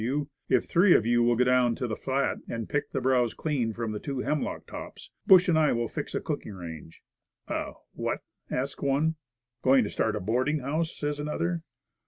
W., "if three of you will go down to the flat and pick the browse clean from the two hemlock tops, Bush and I will fix a cooking range." "A what?" asks one. "Going to start a boarding house?" says another.